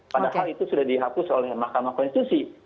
padahal itu sudah dihapus oleh mahkamah konstitusi